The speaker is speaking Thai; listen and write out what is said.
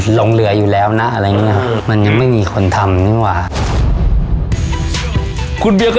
ลงเหลืออยู่แล้วนะอะไรอย่างเงี้ยมันยังไม่มีคนทำนี่หว่า